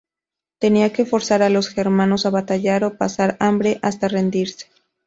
Tenía que forzar a los germanos a batallar o pasar hambre hasta rendirse.